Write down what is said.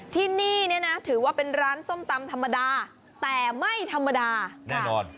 ที่นี่เนี่ยนะถือว่าเป็นร้านส้มตำธรรมดาแต่ไม่ธรรมดาแน่นอน